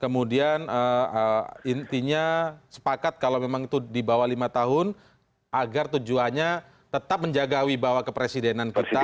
kemudian intinya sepakat kalau memang itu di bawah lima tahun agar tujuannya tetap menjaga wibawa kepresidenan kita